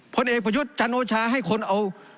ผลเอกประยุทธ์จันโอชาให้คนเอา